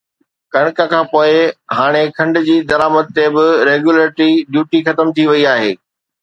ڪڻڪ کانپوءِ هاڻي کنڊ جي درآمد تي به ريگيوليٽري ڊيوٽي ختم ٿي وئي آهي